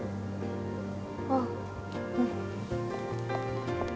ああうん。